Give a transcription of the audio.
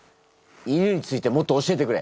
犬についてもっと教えてくれ。